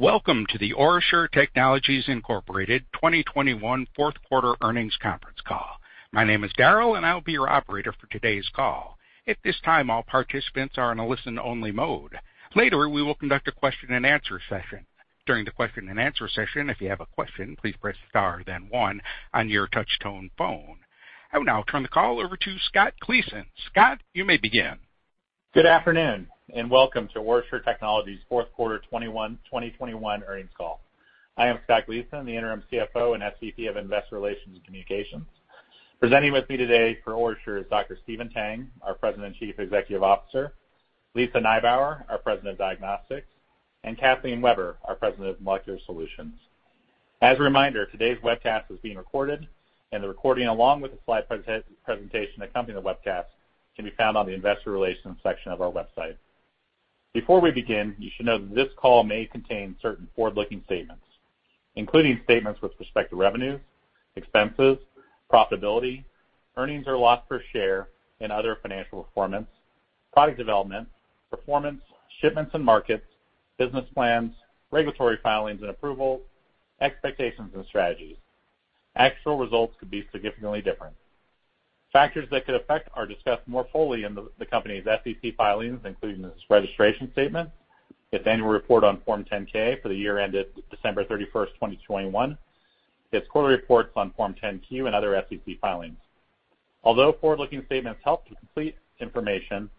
Welcome to the OraSure Technologies Inc 2021 fourth quarter earnings conference call. My name is Daryl, and I'll be your operator for today's call. At this time, all participants are in a listen-only mode. Later, we will conduct a question-and-answer session. During the question-and-answer session, if you have a question, please press star then one on your touchtone phone. I will now turn the call over to Scott Gleason. Scott, you may begin. Good afternoon, and welcome to OraSure Technologies fourth quarter 2021 earnings call. I am Scott Gleason, the Interim CFO and SVP of Investor Relations and Communications. Presenting with me today for OraSure is Dr. Stephen Tang, our President and Chief Executive Officer, Lisa Nibauer, our President of Diagnostics, and Kathleen Weber, our President of Molecular Solutions. As a reminder, today's webcast is being recorded, and the recording, along with the slide presentation accompanying the webcast, can be found on the Investor Relations section of our website. Before we begin, you should know that this call may contain certain forward-looking statements, including statements with respect to revenues, expenses, profitability, earnings or loss per share and other financial performance, product development, performance, shipments and markets, business plans, regulatory filings and approvals, expectations and strategies. Actual results could be significantly different. Factors that could affect are discussed more fully in the company's SEC filings, including its registration statement, its annual report on Form 10-K for the year ended December 31, 2021, its quarterly reports on Form 10-Q and other SEC filings. Although forward-looking statements help to complete information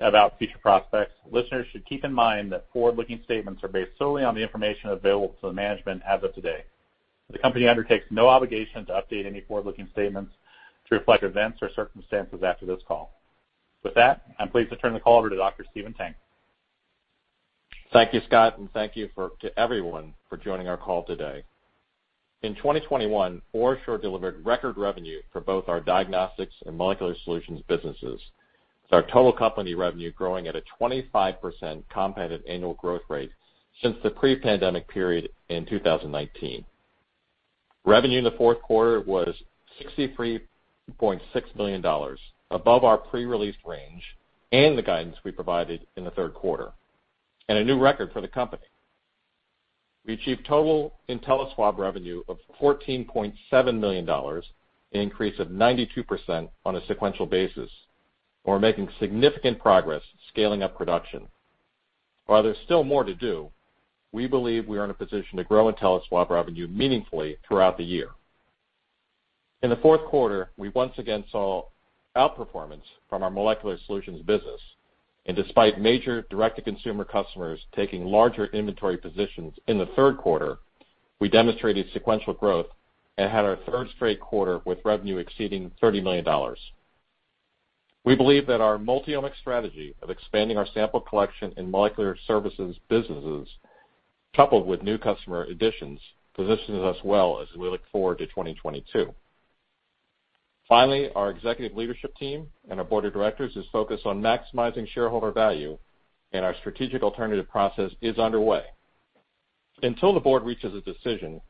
about future prospects, listeners should keep in mind that forward-looking statements are based solely on the information available to the management as of today. The company undertakes no obligation to update any forward-looking statements to reflect events or circumstances after this call. With that, I'm pleased to turn the call over to Dr. Stephen Tang. Thank you, Scott, and thank you to everyone for joining our call today. In 2021, OraSure delivered record revenue for both our Diagnostics and Molecular Solutions businesses, with our total company revenue growing at a 25% compounded annual growth rate since the pre-pandemic period in 2019. Revenue in the fourth quarter was $63.6 million, above our pre-released range and the guidance we provided in the third quarter, and a new record for the company. We achieved total InteliSwab revenue of $14.7 million, an increase of 92% on a sequential basis. We're making significant progress scaling up production. While there's still more to do, we believe we are in a position to grow InteliSwab revenue meaningfully throughout the year. In the fourth quarter, we once again saw outperformance from our Molecular Solutions business. Despite major direct-to-consumer customers taking larger inventory positions in the third quarter, we demonstrated sequential growth and had our third straight quarter with revenue exceeding $30 million. We believe that our multi-omics strategy of expanding our sample collection and molecular services businesses, coupled with new customer additions, positions us well as we look forward to 2022. Finally, our executive leadership team and our board of directors is focused on maximizing shareholder value, and our strategic alternative process is underway. Until the board reaches a decision,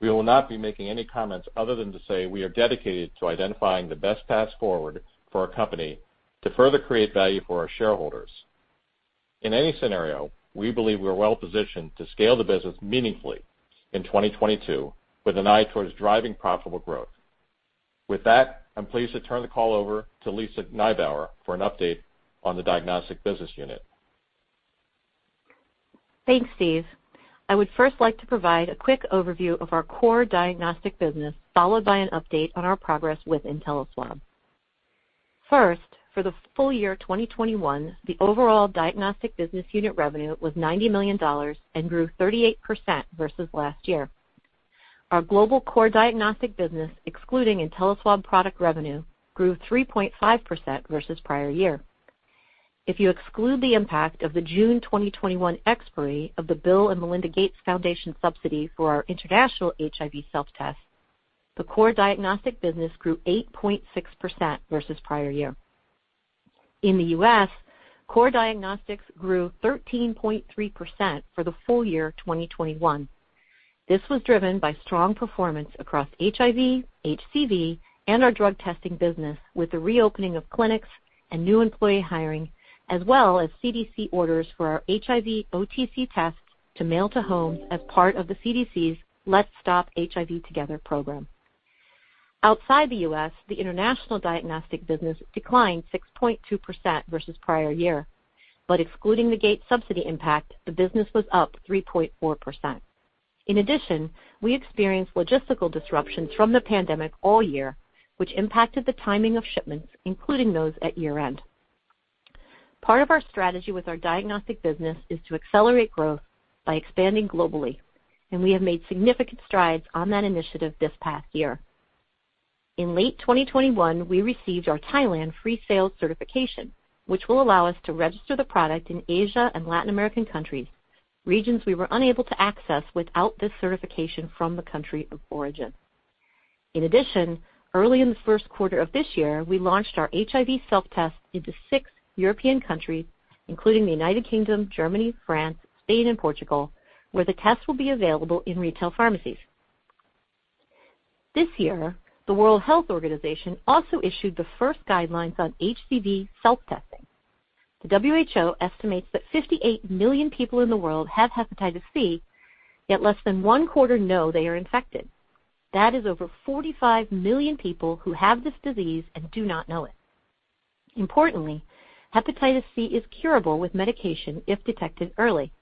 we will not be making any comments other than to say we are dedicated to identifying the best path forward for our company to further create value for our shareholders. In any scenario, we believe we are well positioned to scale the business meaningfully in 2022 with an eye towards driving profitable growth. With that, I'm pleased to turn the call over to Lisa Nibauer for an update on the Diagnostics business unit. Thanks, Stephen. I would first like to provide a quick overview of our core diagnostic business, followed by an update on our progress with InteliSwab. First, for the full year 2021, the overall diagnostic business unit revenue was $90 million and grew 38% versus last year. Our global core diagnostic business, excluding InteliSwab product revenue, grew 3.5% versus prior year. If you exclude the impact of the June 2021 expiry of the Bill & Melinda Gates Foundation subsidy for our international HIV self-test, the core diagnostic business grew 8.6% versus prior year. In the U.S., core diagnostics grew 13.3% for the full year 2021. This was driven by strong performance across HIV, HCV, and our drug testing business with the reopening of clinics and new employee hiring, as well as CDC orders for our HIV OTC test to mail to home as part of the CDC's Let's Stop HIV Together program. Outside the U.S., the international diagnostic business declined 6.2% versus prior year. Excluding the Gates subsidy impact, the business was up 3.4%. In addition, we experienced logistical disruptions from the pandemic all year, which impacted the timing of shipments, including those at year-end. Part of our strategy with our diagnostic business is to accelerate growth by expanding globally, and we have made significant strides on that initiative this past year. In late 2021, we received our Thailand free sales certification, which will allow us to register the product in Asia and Latin American countries, regions we were unable to access without this certification from the country of origin. In addition, early in the first quarter of this year, we launched our HIV self-test into six European countries, including the United Kingdom, Germany, France, Spain, and Portugal, where the test will be available in retail pharmacies. This year, the World Health Organization also issued the first guidelines on HCV self-testing. The WHO estimates that 58 million people in the world have hepatitis C, yet less than one-quarter know they are infected. That is over 45 million people who have this disease and do not know it. Importantly, hepatitis C is curable with medication if detected early.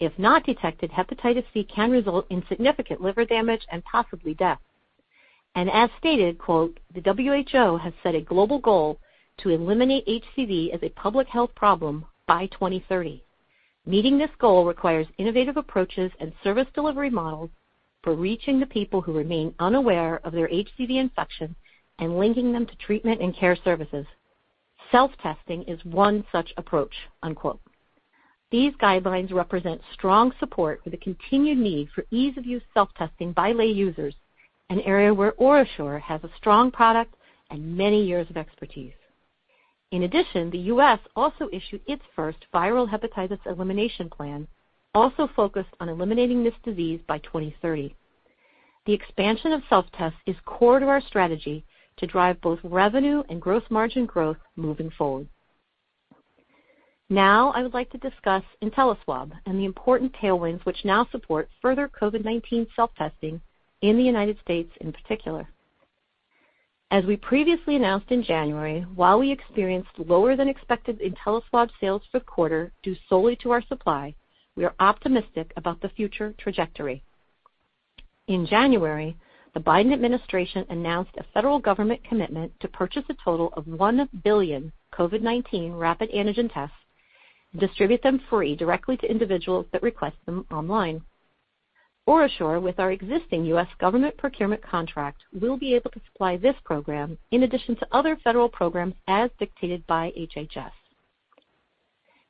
If not detected, hepatitis C can result in significant liver damage and possibly death. As stated, quote, "The WHO has set a global goal to eliminate HCV as a public health problem by 2030. Meeting this goal requires innovative approaches and service delivery models for reaching the people who remain unaware of their HCV infection and linking them to treatment and care services. Self-testing is one such approach," unquote. These guidelines represent strong support for the continued need for ease-of-use self-testing by lay users, an area where OraSure has a strong product and many years of expertise. In addition, the U.S. also issued its first viral hepatitis elimination plan, also focused on eliminating this disease by 2030. The expansion of self-tests is core to our strategy to drive both revenue and gross margin growth moving forward. Now I would like to discuss IntelliSwab and the important tailwinds which now support further COVID-19 self-testing in the United States in particular. As we previously announced in January, while we experienced lower than expected IntelliSwab sales for the quarter due solely to our supply, we are optimistic about the future trajectory. In January, the Biden administration announced a federal government commitment to purchase a total of 1 billion COVID-19 rapid antigen tests and distribute them free directly to individuals that request them online. OraSure, with our existing U.S. government procurement contract, will be able to supply this program in addition to other federal programs as dictated by HHS.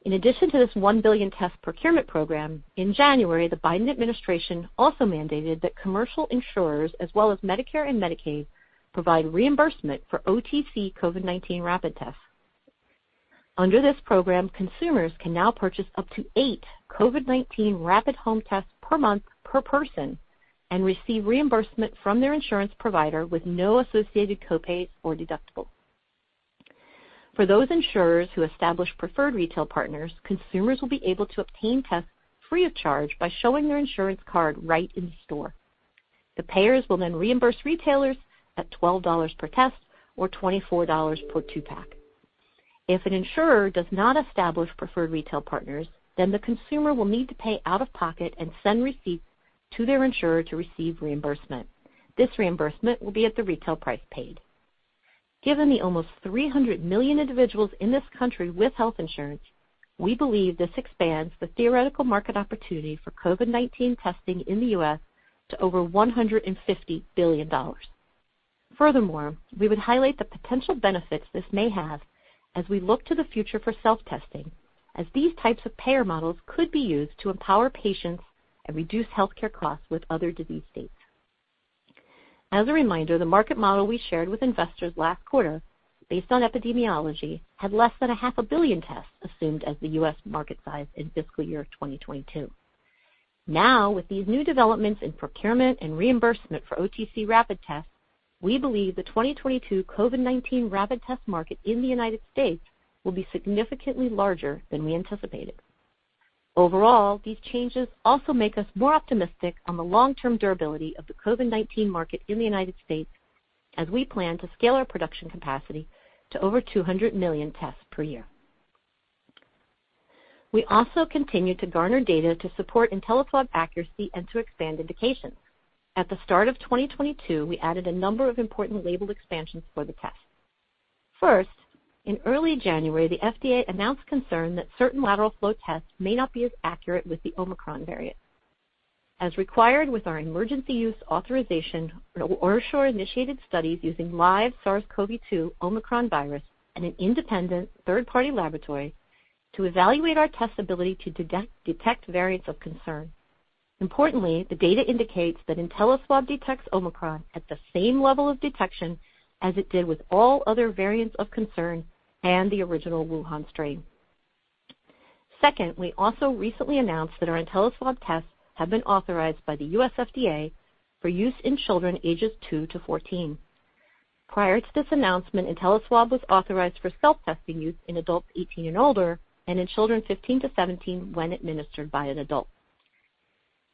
In addition to this 1 billion test procurement program, in January, the Biden administration also mandated that commercial insurers as well as Medicare and Medicaid provide reimbursement for OTC COVID-19 rapid tests. Under this program, consumers can now purchase up to eight COVID-19 rapid home tests per month per person and receive reimbursement from their insurance provider with no associated copay or deductible. For those insurers who establish preferred retail partners, consumers will be able to obtain tests free of charge by showing their insurance card right in store. The payers will then reimburse retailers at $12 per test or $24 per two-pack. If an insurer does not establish preferred retail partners, then the consumer will need to pay out of pocket and send receipts to their insurer to receive reimbursement. This reimbursement will be at the retail price paid. Given the almost 300 million individuals in this country with health insurance, we believe this expands the theoretical market opportunity for COVID-19 testing in the U.S. to over $150 billion. Furthermore, we would highlight the potential benefits this may have as we look to the future for self-testing, as these types of payer models could be used to empower patients and reduce healthcare costs with other disease states. As a reminder, the market model we shared with investors last quarter based on epidemiology had less than 500 million tests assumed as the U.S. market size in fiscal year 2022. Now, with these new developments in procurement and reimbursement for OTC rapid tests, we believe the 2022 COVID-19 rapid test market in the United States will be significantly larger than we anticipated. Overall, these changes also make us more optimistic on the long-term durability of the COVID-19 market in the United States as we plan to scale our production capacity to over 200 million tests per year. We also continue to garner data to support InteliSwab accuracy and to expand indications. At the start of 2022, we added a number of important label expansions for the test. First, in early January, the FDA announced concern that certain lateral flow tests may not be as accurate with the Omicron variant. As required with our emergency use authorization, OraSure initiated studies using live SARS-CoV-2 Omicron virus in an independent third-party laboratory to evaluate our test's ability to detect variants of concern. Importantly, the data indicates that InteliSwab detects Omicron at the same level of detection as it did with all other variants of concern and the original Wuhan strain. Second, we also recently announced that our InteliSwab tests have been authorized by the U.S. FDA for use in children ages two to 14. Prior to this announcement, InteliSwab was authorized for self-testing use in adults 18 and older and in children 15-17 when administered by an adult.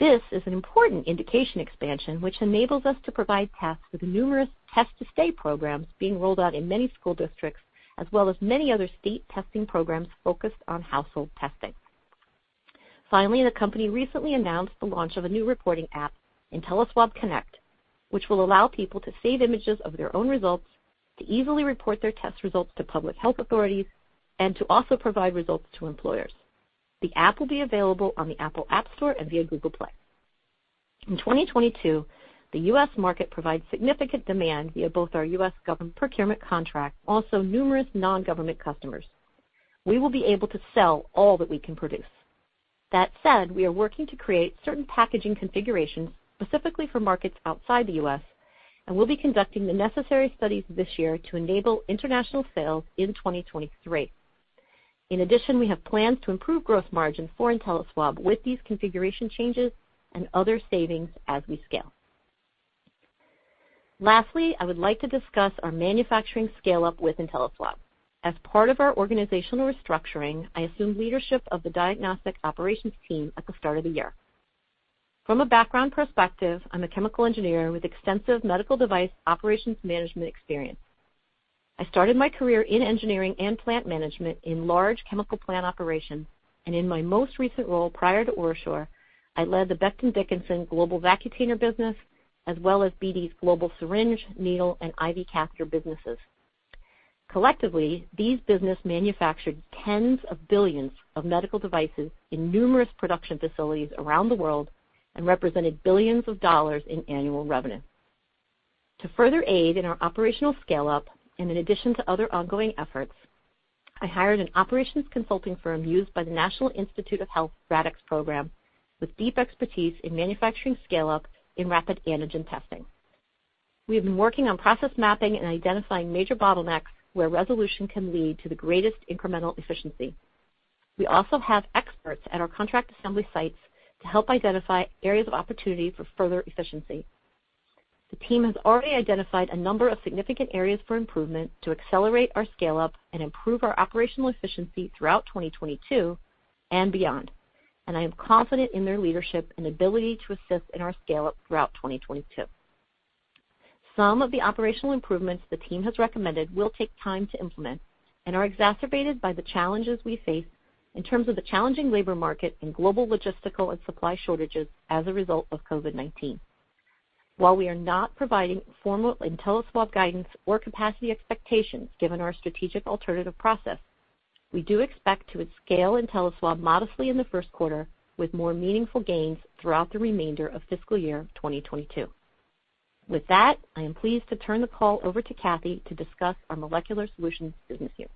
This is an important indication expansion, which enables us to provide tests with numerous test-to-stay programs being rolled out in many school districts, as well as many other state testing programs focused on household testing. Finally, the company recently announced the launch of a new reporting app, InteliSwab Connect, which will allow people to save images of their own results, to easily report their test results to public health authorities, and to also provide results to employers. The app will be available on the Apple App Store and via Google Play. In 2022, the U.S. market provides significant demand via both our U.S. government procurement contract, also numerous non-government customers. We will be able to sell all that we can produce. That said, we are working to create certain packaging configurations specifically for markets outside the U.S. and will be conducting the necessary studies this year to enable international sales in 2023. In addition, we have plans to improve gross margin for InteliSwab with these configuration changes and other savings as we scale. Lastly, I would like to discuss our manufacturing scale-up with InteliSwab. As part of our organizational restructuring, I assumed leadership of the diagnostic operations team at the start of the year. From a background perspective, I'm a chemical engineer with extensive medical device operations management experience. I started my career in engineering and plant management in large chemical plant operations, and in my most recent role prior to OraSure, I led the Becton, Dickinson global Vacutainer business, as well as BD's global syringe, needle, and IV catheter businesses. Collectively, these businesses manufactured 10 billions of medical devices in numerous production facilities around the world and represented billions dollar in annual revenue. To further aid in our operational scale-up, and in addition to other ongoing efforts, I hired an operations consulting firm used by the National Institutes of Health RADx program with deep expertise in manufacturing scale-up in rapid antigen testing. We have been working on process mapping and identifying major bottlenecks where resolution can lead to the greatest incremental efficiency. We also have experts at our contract assembly sites to help identify areas of opportunity for further efficiency. The team has already identified a number of significant areas for improvement to accelerate our scale-up and improve our operational efficiency throughout 2022 and beyond, and I am confident in their leadership and ability to assist in our scale-up throughout 2022. Some of the operational improvements the team has recommended will take time to implement and are exacerbated by the challenges we face in terms of the challenging labor market and global logistical and supply shortages as a result of COVID-19. While we are not providing formal IntelliSwab guidance or capacity expectations, given our strategic alternative process, we do expect to scale IntelliSwab modestly in the first quarter with more meaningful gains throughout the remainder of fiscal year 2022. With that, I am pleased to turn the call over to Kathleen to discuss our Molecular Solutions business unit.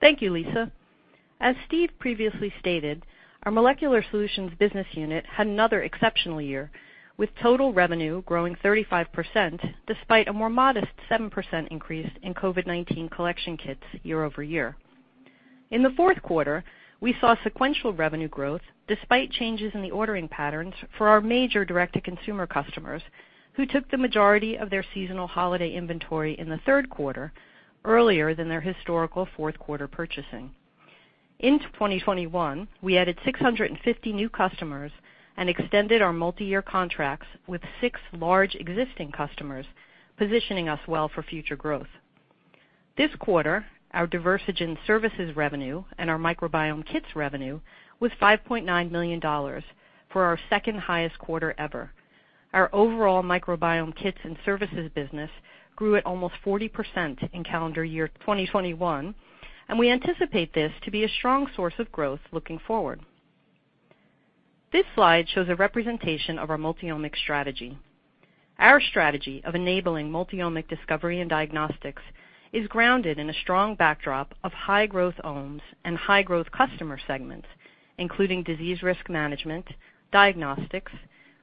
Thank you, Lisa. As Stephen previously stated, our Molecular Solutions business unit had another exceptional year, with total revenue growing 35% despite a more modest 7% increase in COVID-19 collection kits year-over-year. In the fourth quarter, we saw sequential revenue growth despite changes in the ordering patterns for our major direct-to-consumer customers, who took the majority of their seasonal holiday inventory in the third quarter, earlier than their historical fourth quarter purchasing. In 2021, we added 650 new customers and extended our multiyear contracts with six large existing customers, positioning us well for future growth. This quarter, our Diversigen services revenue and our microbiome kits revenue was $5.9 million for our second-highest quarter ever. Our overall microbiome kits and services business grew at almost 40% in calendar year 2021, and we anticipate this to be a strong source of growth looking forward. This slide shows a representation of our multiomic strategy. Our strategy of enabling multiomic discovery and diagnostics is grounded in a strong backdrop of high-growth omes and high-growth customer segments, including disease risk management, diagnostics,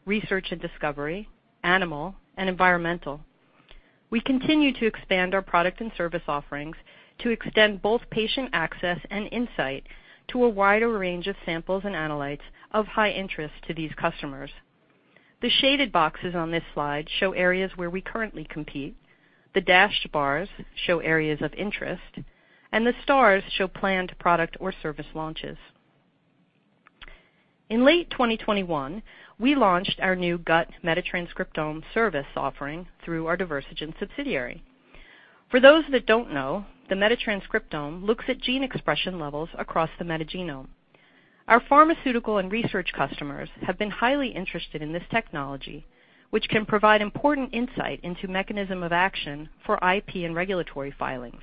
research and discovery, animal, and environmental. We continue to expand our product and service offerings to extend both patient access and insight to a wider range of samples and analytes of high interest to these customers. The shaded boxes on this slide show areas where we currently compete, the dashed bars show areas of interest, and the stars show planned product or service launches. In late 2021, we launched our new gut metatranscriptome service offering through our Diversigen subsidiary. For those that don't know, the metatranscriptome looks at gene expression levels across the metagenome. Our pharmaceutical and research customers have been highly interested in this technology, which can provide important insight into mechanism of action for IP and regulatory filings.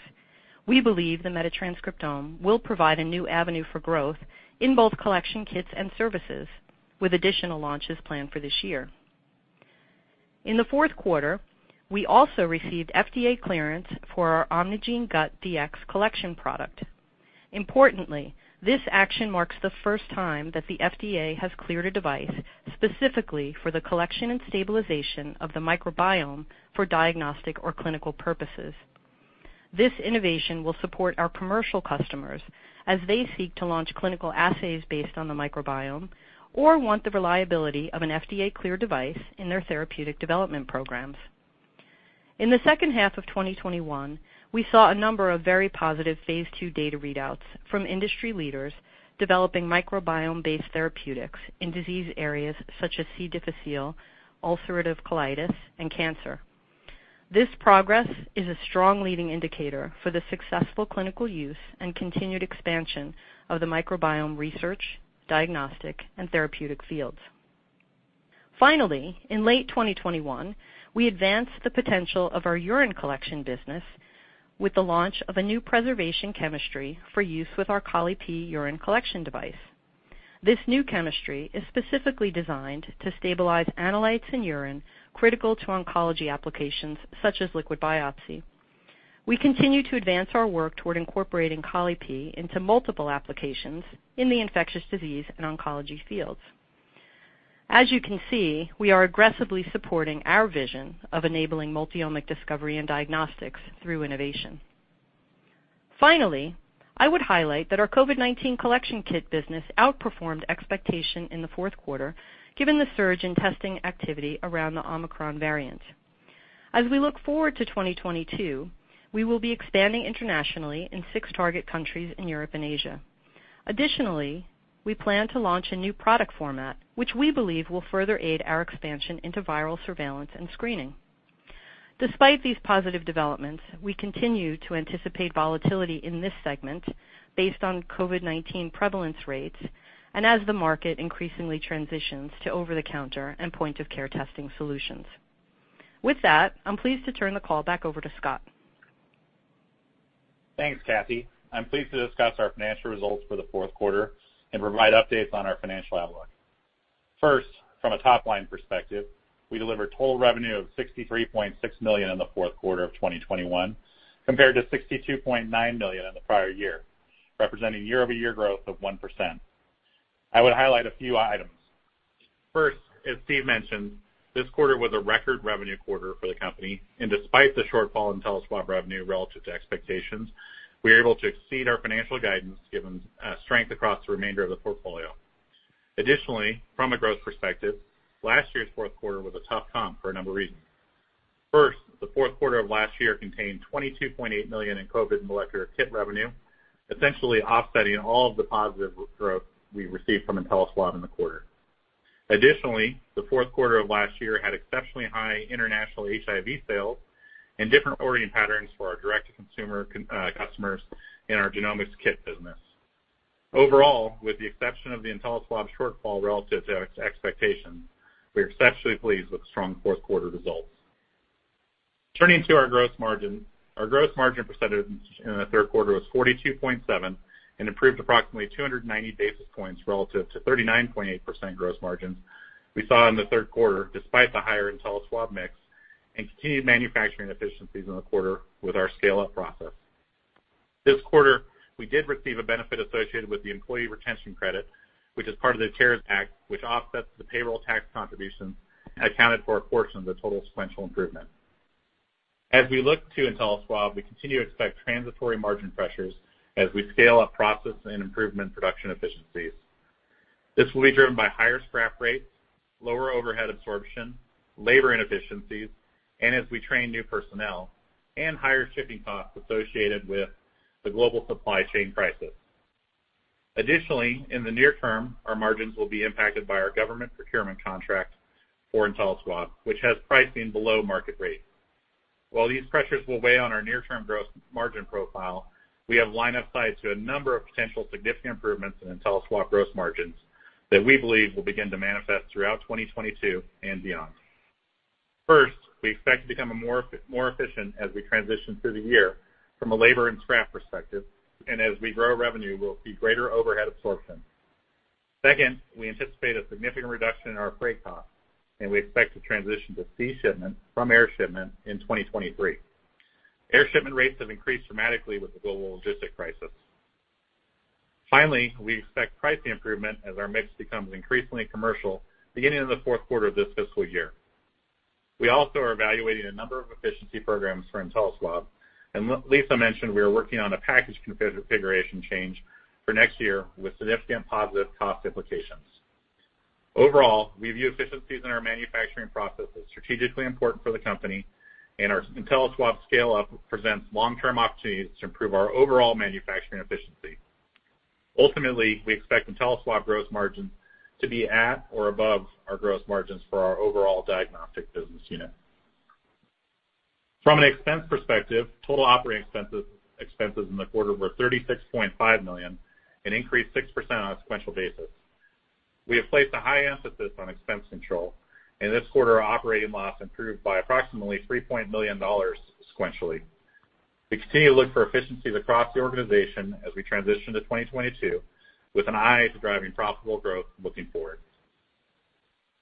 We believe the metatranscriptome will provide a new avenue for growth in both collection kits and services, with additional launches planned for this year. In the fourth quarter, we also received FDA clearance for our OMNIgene•GUT Dx collection product. Importantly, this action marks the first time that the FDA has cleared a device specifically for the collection and stabilization of the microbiome for diagnostic or clinical purposes. This innovation will support our commercial customers as they seek to launch clinical assays based on the microbiome or want the reliability of an FDA-cleared device in their therapeutic development programs. In the second half of 2021, we saw a number of very positive phase II data readouts from industry leaders developing microbiome-based therapeutics in disease areas such as C. difficile, ulcerative colitis, and cancer. This progress is a strong leading indicator for the successful clinical use and continued expansion of the microbiome research, diagnostic, and therapeutic fields. Finally, in late 2021, we advanced the potential of our urine collection business with the launch of a new preservation chemistry for use with our Colli-Pee urine collection device. This new chemistry is specifically designed to stabilize analytes in urine critical to oncology applications such as liquid biopsy. We continue to advance our work toward incorporating Colli-Pee into multiple applications in the infectious disease and oncology fields. As you can see, we are aggressively supporting our vision of enabling multi-omic discovery and diagnostics through innovation. Finally, I would highlight that our COVID-19 collection kit business outperformed expectation in the fourth quarter, given the surge in testing activity around the Omicron variant. As we look forward to 2022, we will be expanding internationally in six target countries in Europe and Asia. Additionally, we plan to launch a new product format, which we believe will further aid our expansion into viral surveillance and screening. Despite these positive developments, we continue to anticipate volatility in this segment based on COVID-19 prevalence rates and as the market increasingly transitions to over-the-counter and point-of-care testing solutions. With that, I'm pleased to turn the call back over to Scott. Thanks, Kathy. I'm pleased to discuss our financial results for the fourth quarter and provide updates on our financial outlook. First, from a top-line perspective, we delivered total revenue of $63.6 million in the fourth quarter of 2021 compared to $62.9 million in the prior year, representing year-over-year growth of 1%. I would highlight a few items. First, as Stephen mentioned, this quarter was a record revenue quarter for the company, and despite the shortfall in InteliSwab revenue relative to expectations, we were able to exceed our financial guidance given strength across the remainder of the portfolio. Additionally, from a growth perspective, last year's fourth quarter was a tough comp for a number of reasons. First, the fourth quarter of last year contained $22.8 million in COVID molecular kit revenue, essentially offsetting all of the positive growth we received from InteliSwab in the quarter. Additionally, the fourth quarter of last year had exceptionally high international HIV sales and different ordering patterns for our direct-to-consumer customers in our genomics kit business. Overall, with the exception of the InteliSwab shortfall relative to expectations, we are exceptionally pleased with strong fourth quarter results. Turning to our gross margin. Our gross margin percentage in the third quarter was 42.7% and improved approximately 290 basis points relative to 39.8% gross margins we saw in the third quarter, despite the higher InteliSwab mix and continued manufacturing efficiencies in the quarter with our scale-up process. This quarter, we did receive a benefit associated with the employee retention credit, which is part of the CARES Act, which offsets the payroll tax contribution and accounted for a portion of the total sequential improvement. As we look to InteliSwab, we continue to expect transitory margin pressures as we scale up process and improvement production efficiencies. This will be driven by higher scrap rates, lower overhead absorption, labor inefficiencies, and as we train new personnel, and higher shipping costs associated with the global supply chain crisis. Additionally, in the near term, our margins will be impacted by our government procurement contract for InteliSwab, which has pricing below market rate. While these pressures will weigh on our near-term gross margin profile, we have line of sight to a number of potential significant improvements in InteliSwab gross margins that we believe will begin to manifest throughout 2022 and beyond. First, we expect to become a more efficient as we transition through the year from a labor and scrap perspective, and as we grow revenue, we'll see greater overhead absorption. Second, we anticipate a significant reduction in our freight costs, and we expect to transition to sea shipment from air shipment in 2023. Air shipment rates have increased dramatically with the global logistic crisis. Finally, we expect pricing improvement as our mix becomes increasingly commercial beginning in the fourth quarter of this fiscal year. We also are evaluating a number of efficiency programs for InteliSwab, and Lisa mentioned we are working on a package configuration change for next year with significant positive cost implications. Overall, we view efficiencies in our manufacturing processes strategically important for the company, and our InteliSwab scale-up presents long-term opportunities to improve our overall manufacturing efficiency. Ultimately, we expect InteliSwab gross margins to be at or above our gross margins for our overall diagnostic business unit. From an expense perspective, total operating expenses in the quarter were $36.5 million and increased 6% on a sequential basis. We have placed a high emphasis on expense control, and this quarter, operating loss improved by approximately $3 million sequentially. We continue to look for efficiencies across the organization as we transition to 2022 with an eye to driving profitable growth looking forward.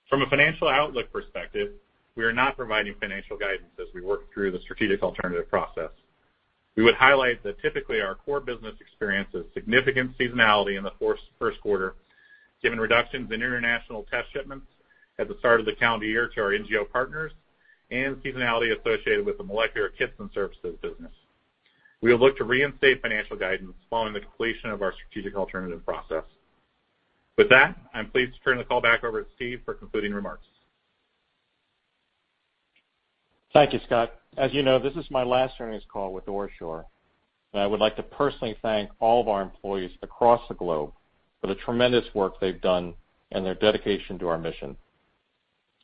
From a financial outlook perspective, we are not providing financial guidance as we work through the strategic alternative process. We would highlight that typically our core business experiences significant seasonality in the first quarter, given reductions in international test shipments at the start of the calendar year to our NGO partners and seasonality associated with the molecular kits and services business. We will look to reinstate financial guidance following the completion of our strategic alternative process. With that, I'm pleased to turn the call back over to Stephen for concluding remarks. Thank you, Scott. As you know, this is my last earnings call with OraSure, and I would like to personally thank all of our employees across the globe for the tremendous work they've done and their dedication to our mission.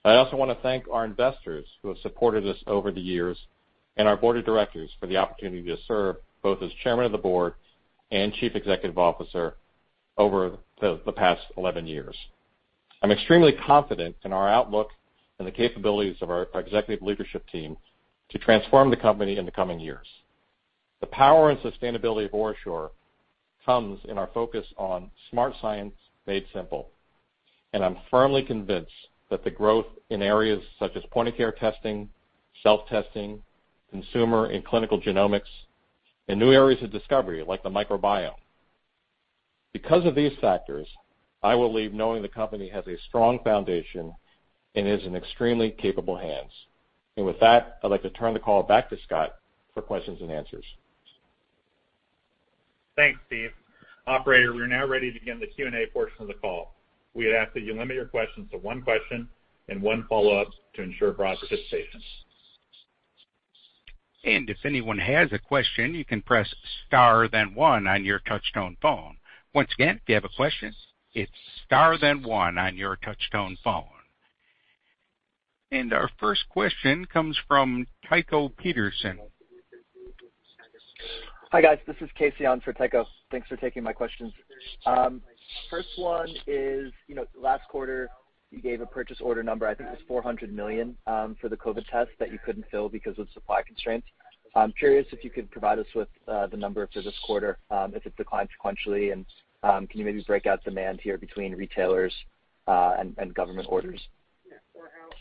I also want to thank our investors who have supported us over the years and our board of directors for the opportunity to serve both as Chairman of the Board and Chief Executive Officer over the past 11 years. I'm extremely confident in our outlook and the capabilities of our executive leadership team to transform the company in the coming years. The power and sustainability of OraSure comes in our focus on smart science made simple, and I'm firmly convinced that the growth in areas such as point-of-care testing, self-testing, consumer and clinical genomics, and new areas of discovery like the microbiome Because of these factors, I will leave knowing the company has a strong foundation and is in extremely capable hands. With that, I'd like to turn the call back to Scott for questions and answers. Thanks, Stephen. Operator, we're now ready to begin the Q&A portion of the call. We ask that you limit your questions to one question and one follow-up to ensure broad participation. If anyone has a question, you can press star then one on your touchtone phone. Once again, if you have a question, it's star then one on your touchtone phone. Our first question comes from Tycho Peterson. Hi, guys. This is Casey on for Tycho. Thanks for taking my questions. First one is, you know, last quarter, you gave a purchase order number. I think it was $400 million for the COVID test that you couldn't fill because of supply constraints. I'm curious if you could provide us with the number for this quarter, if it declined sequentially, and can you maybe break out demand here between retailers and government orders?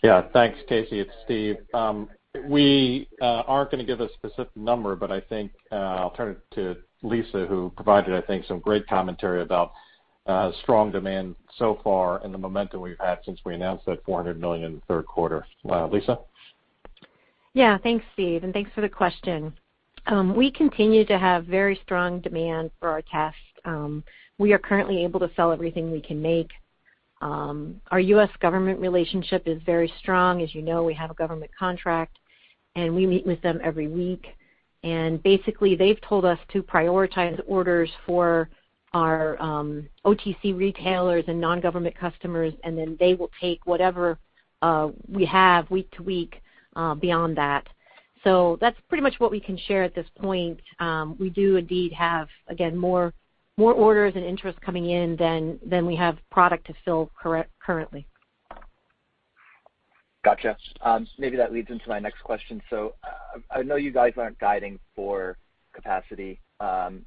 Yeah. Thanks, Casey. It's Steve. We aren't gonna give a specific number, but I think I'll turn it to Lisa, who provided, I think, some great commentary about strong demand so far and the momentum we've had since we announced that $400 million in the third quarter. Lisa? Yeah. Thanks, Stephen, and thanks for the question. We continue to have very strong demand for our tests. We are currently able to sell everything we can make. Our U.S. government relationship is very strong. As you know, we have a government contract, and we meet with them every week. Basically, they've told us to prioritize orders for our OTC retailers and non-government customers, and then they will take whatever we have week to week beyond that. That's pretty much what we can share at this point. We do indeed have, again, more orders and interest coming in than we have product to fill currently. Gotcha. Maybe that leads into my next question. I know you guys aren't guiding for capacity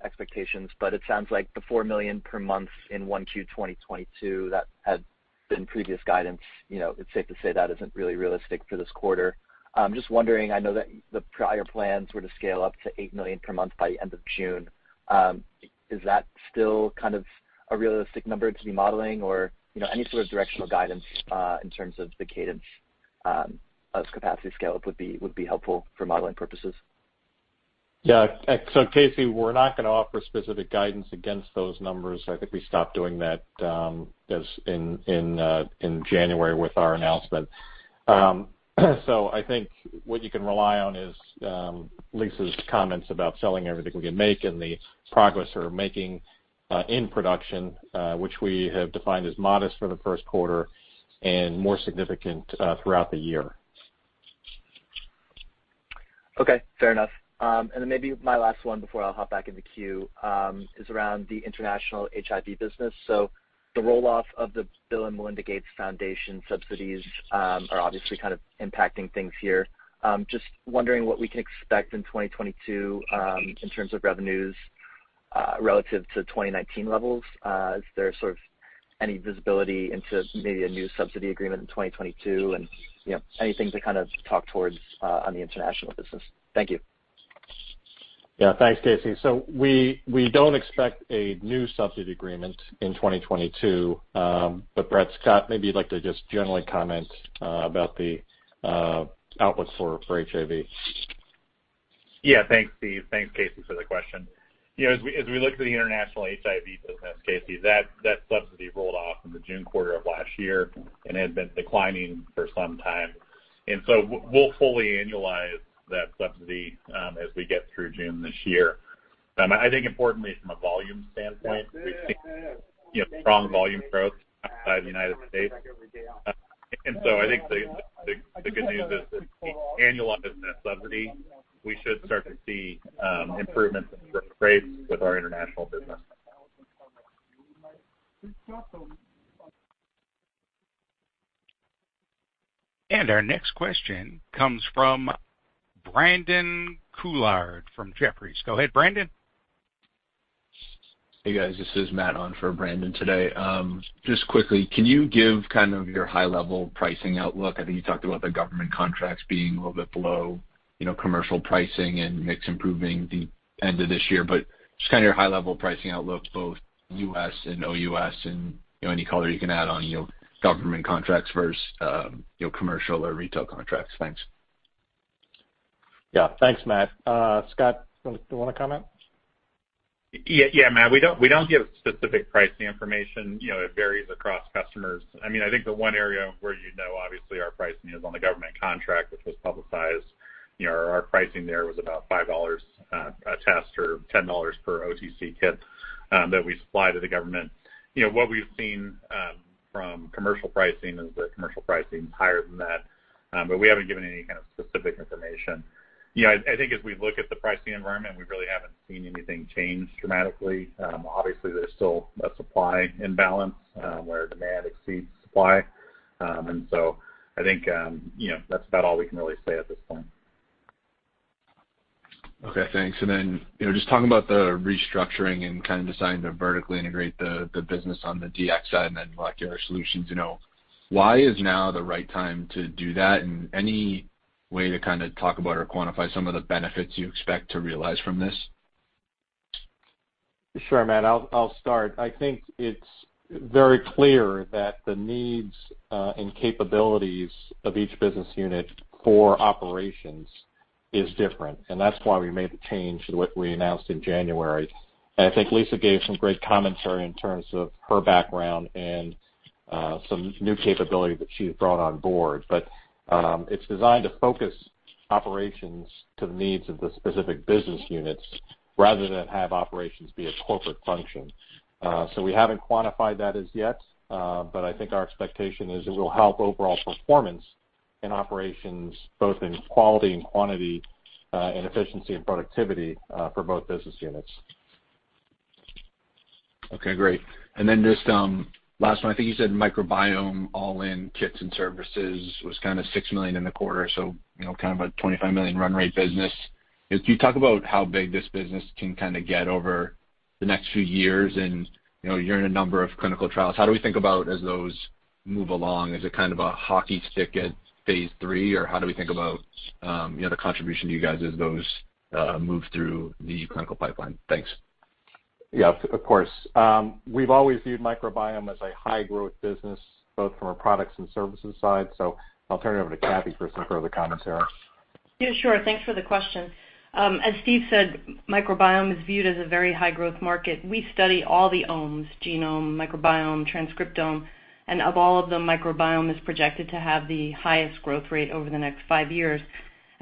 expectations, but it sounds like the 4 million per month in 1Q 2022 that had been previous guidance, you know, it's safe to say that isn't really realistic for this quarter. I'm just wondering, I know that the prior plans were to scale up to 8 million per month by end of June. Is that still kind of a realistic number to be modeling or, you know, any sort of directional guidance in terms of the cadence of capacity scale-up would be helpful for modeling purposes. Yeah. Casey, we're not gonna offer specific guidance against those numbers. I think we stopped doing that, as in January with our announcement. I think what you can rely on is Lisa's comments about selling everything we can make and the progress we're making in production, which we have defined as modest for the first quarter and more significant throughout the year. Okay, fair enough. Maybe my last one before I'll hop back in the queue is around the international HIV business. The roll-off of the Bill & Melinda Gates Foundation subsidies are obviously kind of impacting things here. Just wondering what we can expect in 2022 in terms of revenues relative to 2019 levels. Is there sort of any visibility into maybe a new subsidy agreement in 2022 and, you know, anything to kind of talk towards on the international business? Thank you. Yeah. Thanks, Casey. We don't expect a new subsidy agreement in 2022. Brett, Scott, maybe you'd like to just generally comment about the outlook for HIV. Thanks, Stephen. Thanks, Casey, for the question. You know, as we look at the international HIV business, Casey, that subsidy rolled off in the June quarter of last year and had been declining for some time. We'll fully annualize that subsidy as we get through June this year. I think importantly from a volume standpoint, we've seen, you know, strong volume growth outside the United States. I think the good news is as we annualize that subsidy, we should start to see improvements in the growth rates with our international business. Our next question comes from Brandon Couillard from Jefferies. Go ahead, Brandon. Hey, guys. This is Matt on for Brandon today. Just quickly, can you give kind of your high-level pricing outlook? I think you talked about the government contracts being a little bit below, you know, commercial pricing and mix improving the end of this year. Just kind of your high-level pricing outlook, both U.S. and OUS and, you know, any color you can add on, you know, government contracts versus, you know, commercial or retail contracts. Thanks. Yeah. Thanks, Matt. Scott, do you wanna comment? Yeah. Yeah, Matt, we don't give specific pricing information. You know, it varies across customers. I mean, I think the one area where you'd know, obviously our pricing is on the government contract, which was publicized. You know, our pricing there was about $5 a test or $10 per OTC kit that we supply to the government. You know, what we've seen from commercial pricing is that commercial pricing is higher than that, but we haven't given any kind of specific information. You know, I think as we look at the pricing environment, we really haven't seen anything change dramatically. Obviously, there's still a supply imbalance where demand exceeds supply. And so I think, you know, that's about all we can really say at this point. Okay, thanks. You know, just talking about the restructuring and kind of deciding to vertically integrate the business on the DX side and then Molecular Solutions, you know, why is now the right time to do that? And any way to kind of talk about or quantify some of the benefits you expect to realize from this? Sure, Matt, I'll start. I think it's very clear that the needs and capabilities of each business unit for operations is different, and that's why we made the change to what we announced in January. I think Lisa gave some great commentary in terms of her background and some new capability that she's brought on board. It's designed to focus operations to the needs of the specific business units rather than have operations be a corporate function. We haven't quantified that as yet, but I think our expectation is it will help overall performance in operations, both in quality and quantity, and efficiency and productivity, for both business units. Okay, great. Then just last one, I think you said microbiome all-in kits and services was kind of $6 million in the quarter, so you know, kind of a $25 million run rate business. Could you talk about how big this business can kind of get over the next few years? You know, you're in a number of clinical trials. How do we think about as those move along? Is it kind of a hockey stick at phase III, or how do we think about you know, the contribution to you guys as those move through the clinical pipeline? Thanks. Yeah, of course. We've always viewed microbiome as a high growth business, both from a products and services side. I'll turn it over to Kathleen for some further commentary. Yeah, sure. Thanks for the question. As Stephen said, microbiome is viewed as a very high growth market. We study all the omes, genome, microbiome, transcriptome. Of all of them, microbiome is projected to have the highest growth rate over the next five years.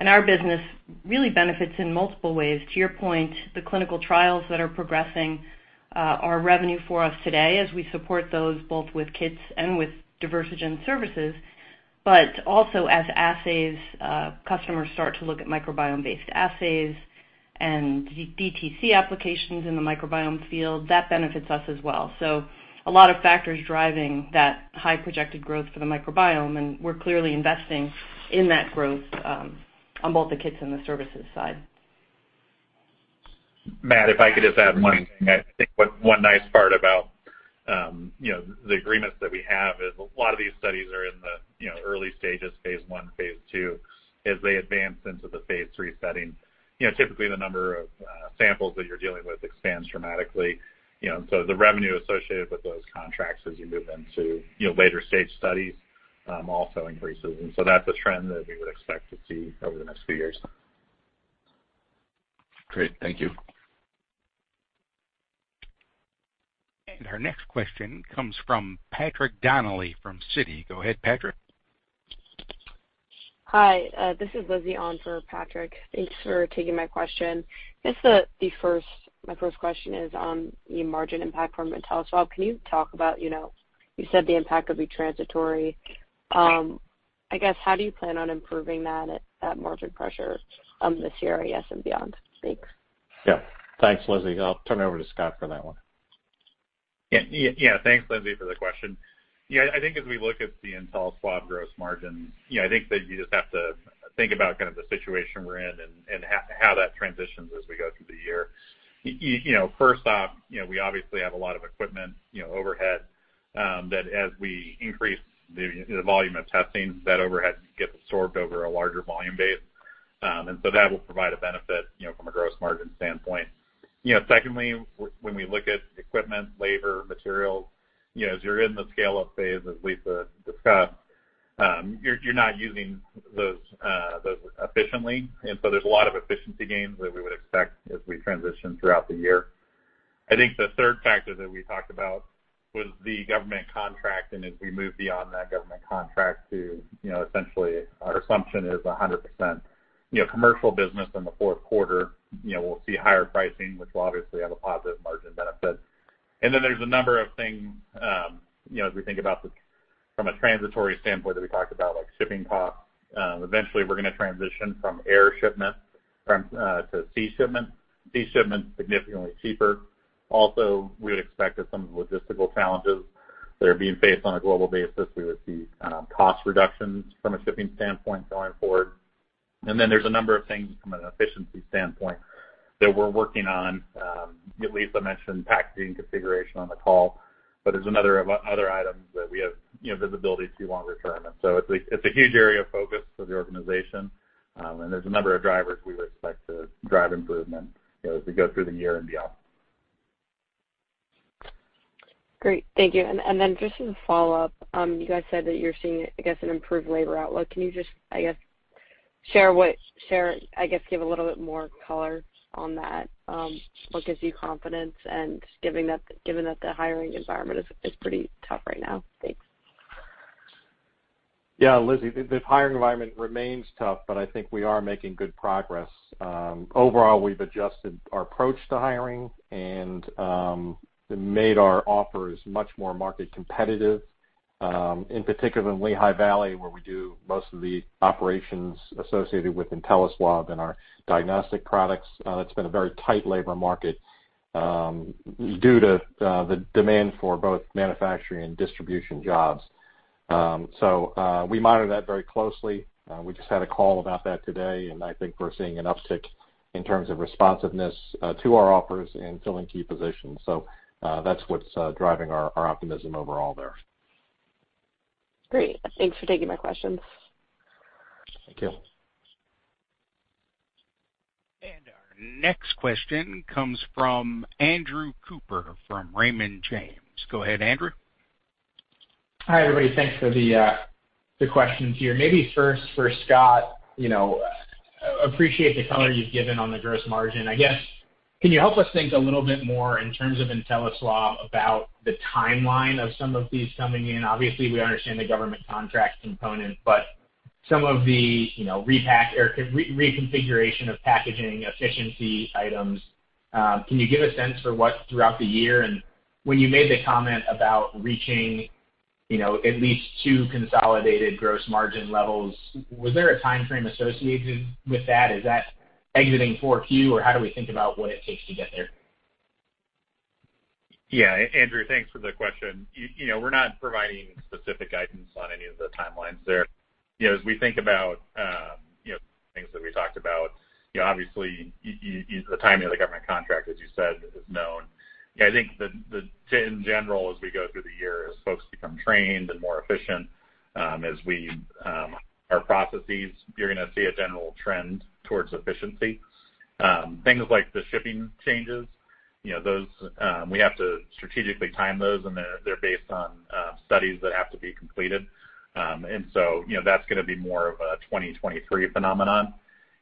Our business really benefits in multiple ways. To your point, the clinical trials that are progressing are revenue for us today as we support those both with kits and with Diversigen services. Also as assays, customers start to look at microbiome-based assays and DTC applications in the microbiome field, that benefits us as well. A lot of factors driving that high projected growth for the microbiome, and we're clearly investing in that growth on both the kits and the services side. Matt, if I could just add one thing. I think one nice part about, you know, the agreements that we have is a lot of these studies are in the, you know, early stages, phase I, phase II. As they advance into the phase III setting, you know, typically the number of samples that you're dealing with expands dramatically. You know, and so the revenue associated with those contracts as you move into, you know, later stage studies, also increases. That's a trend that we would expect to see over the next few years. Great. Thank you. Our next question comes from Patrick Donnelly from Citi. Go ahead, Patrick. Hi, this is Lizzie on for Patrick. Thanks for taking my question. I guess my first question is on the margin impact from InteliSwab. Can you talk about, you know, you said the impact would be transitory. I guess, how do you plan on improving that margin pressure this year, yes, and beyond? Thanks. Yeah. Thanks, Lizzie. I'll turn it over to Scott for that one. Yeah. Thanks, Lizzie, for the question. Yeah, I think as we look at the InteliSwab gross margin, you know, I think that you just have to think about kind of the situation we're in and how that transitions as we go through the year. You know, first off, you know, we obviously have a lot of equipment, you know, overhead that as we increase the volume of testing, that overhead gets absorbed over a larger volume base. And so that will provide a benefit, you know, from a gross margin standpoint. You know, secondly, when we look at equipment, labor, materials, you know, as you're in the scale-up phase, as Lisa discussed, you're not using those efficiently, and so there's a lot of efficiency gains that we would expect as we transition throughout the year. I think the third factor that we talked about was the government contract, and as we move beyond that government contract to, you know, essentially our assumption is 100%, you know, commercial business in the fourth quarter, you know, we'll see higher pricing, which will obviously have a positive margin benefit. Then there's a number of things, you know, as we think about the from a transitory standpoint that we talked about, like shipping costs. Eventually we're gonna transition from air shipment to sea shipment. Sea shipment's significantly cheaper. Also, we would expect that some of the logistical challenges that are being faced on a global basis, we would see cost reductions from a shipping standpoint going forward. Then there's a number of things from an efficiency standpoint that we're working on. Lisa mentioned packaging configuration on the call, but there's other items that we have, you know, visibility to longer term. It's a huge area of focus for the organization, and there's a number of drivers we would expect to drive improvement, you know, as we go through the year and beyond. Great. Thank you. Just as a follow-up, you guys said that you're seeing, I guess, an improved labor outlook. Can you just, I guess, give a little bit more color on that, what gives you confidence and given that the hiring environment is pretty tough right now? Thanks. Yeah, Lizzie, the hiring environment remains tough, but I think we are making good progress. Overall, we've adjusted our approach to hiring and made our offers much more market competitive. In particular in Lehigh Valley, where we do most of the operations associated with IntelliSwab and our diagnostic products, it's been a very tight labor market due to the demand for both manufacturing and distribution jobs. We monitor that very closely. We just had a call about that today, and I think we're seeing an uptick in terms of responsiveness to our offers in filling key positions. That's what's driving our optimism overall there. Great. Thanks for taking my questions. Thank you. Our next question comes from Andrew Cooper from Raymond James. Go ahead, Andrew. Hi, everybody. Thanks for the questions here. Maybe first for Scott, you know, appreciate the color you've given on the gross margin. I guess, can you help us think a little bit more in terms of InteliSwab about the timeline of some of these coming in? Obviously, we understand the government contract component, but some of the, you know, repack or reconfiguration of packaging efficiency items, can you give a sense for what throughout the year? When you made the comment about reaching, you know, at least two consolidated gross margin levels, was there a time frame associated with that? Is that exiting 4Q, or how do we think about what it takes to get there? Yeah, Andrew, thanks for the question. You know, we're not providing specific guidance on any of the timelines there. You know, as we think about things that we talked about, you know, obviously the timing of the government contract, as you said, is known. I think in general, as we go through the year, as folks become trained and more efficient, as we our processes, you're gonna see a general trend towards efficiency. Things like the shipping changes, you know, those, we have to strategically time those, and they're based on studies that have to be completed. You know, that's gonna be more of a 2023 phenomenon.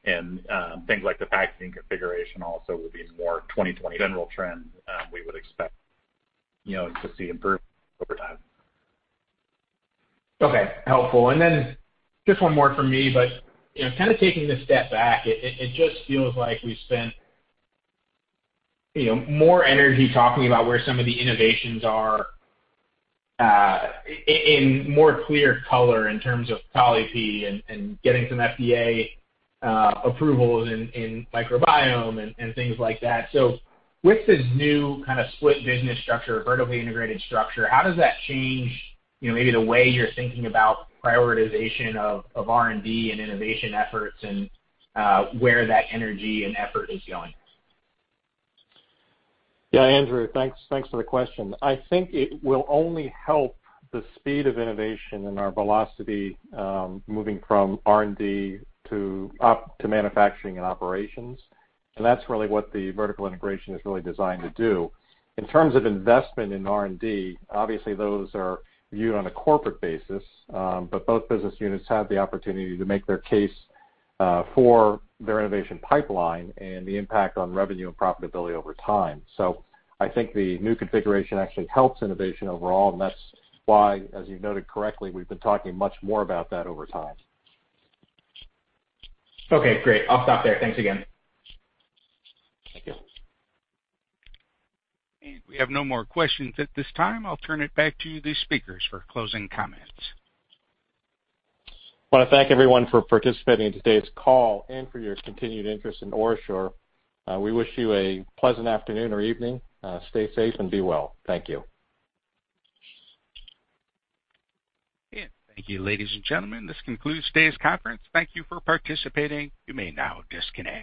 Things like the packaging configuration also will be more 2022 general trend, we would expect you know to see improvements over time. Okay. Helpful. Just one more from me, but you know, kinda taking this step back, it just feels like we spent, you know, more energy talking about where some of the innovations are in more clear color in terms of Colli-Pee and getting some FDA approvals in microbiome and things like that. With this new kinda split business structure, vertically integrated structure, how does that change, you know, maybe the way you're thinking about prioritization of R&D and innovation efforts and where that energy and effort is going? Yeah, Andrew, thanks. Thanks for the question. I think it will only help the speed of innovation and our velocity moving from R&D to manufacturing and operations, and that's really what the vertical integration is really designed to do. In terms of investment in R&D, obviously those are viewed on a corporate basis, but both business units have the opportunity to make their case for their innovation pipeline and the impact on revenue and profitability over time. I think the new configuration actually helps innovation overall, and that's why, as you noted correctly, we've been talking much more about that over time. Okay, great. I'll stop there. Thanks again. Thank you. We have no more questions at this time. I'll turn it back to the speakers for closing comments. Wanna thank everyone for participating in today's call and for your continued interest in OraSure. We wish you a pleasant afternoon or evening. Stay safe and be well. Thank you. Thank you, ladies and gentlemen. This concludes today's conference. Thank you for participating. You may now disconnect.